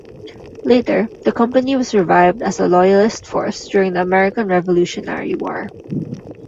Later, the company was revived as a Loyalist force during the American Revolutionary War.